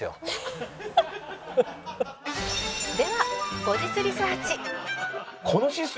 「では後日リサーチ」